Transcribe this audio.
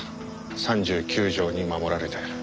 ３９条に守られて。